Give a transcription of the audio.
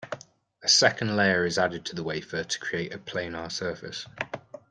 A second layer is added to the wafer to create a planar surface.